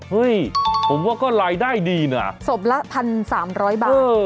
เฮ้ยผมว่าก็รายได้ดีน่ะศพละพันสามร้อยบาทเออ